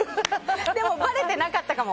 でも、ばれてなかったかも。